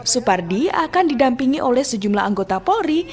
supardi akan didampingi oleh sejumlah anggota polri